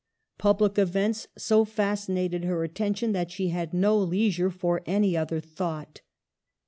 Public events so fascinated her attention that she had no leisure for any other thought.